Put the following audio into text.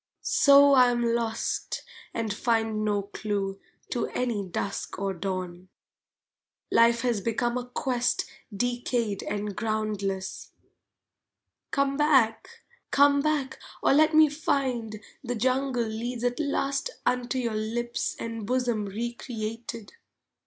So I am lost and find no clue To any dusk or dawn! Life has become a quest decayed and groundless. Come back! come back or let me find The jungle leads at last Unto your lips and bosom recreated!